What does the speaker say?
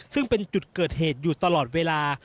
ซึ่งเป็นจุดเกิดเหตุอยู่ตลอดเวลา